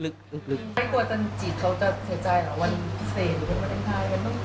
ไม่กลัวจนจิตเขาจะเสียใจเหรอวันพิเศษหรือวันวาเลนไทย